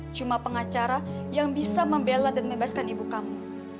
cuma pengacara yang bisa membela dan membebaskan ibu kamu